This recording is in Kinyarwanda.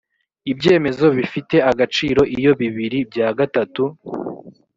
ibyemezo bifite agaciro iyo bibiri bya gatatu